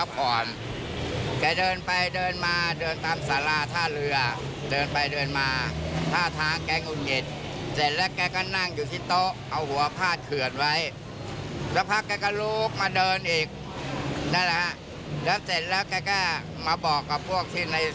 เขาไม่มีลูกมีหลานแล้วเขาก็วิ่งโดดน้ำไปเลยเนี่ย